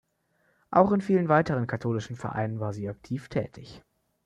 Auch in vielen weiteren katholischen Vereinen war sie aktiv tätig.